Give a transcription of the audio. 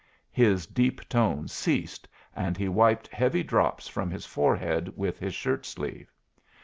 His deep tones ceased, and he wiped heavy drops from his forehead with his shirt sleeve.